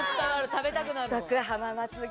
食べたくなるもん。